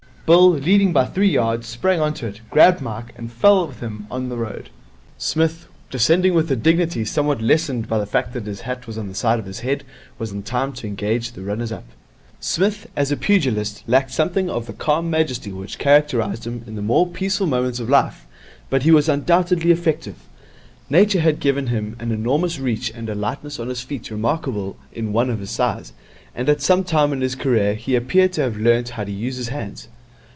Bill, leading by three yards, sprang on to it, grabbed Mike, and fell with him on to the road. Psmith, descending with a dignity somewhat lessened by the fact that his hat was on the side of his head, was in time to engage the runners up. Psmith, as pugilist, lacked something of the calm majesty which characterized him in the more peaceful moments of life, but he was undoubtedly effective. Nature had given him an enormous reach and a lightness on his feet remarkable in one of his size; and at some time in his career he appeared to have learned how to use his hands.